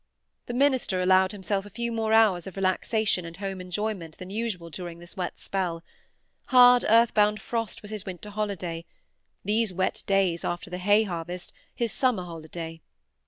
The minister allowed himself a few more hours of relaxation and home enjoyment than usual during this wet spell: hard earth bound frost was his winter holiday; these wet days, after the hay harvest, his summer holiday.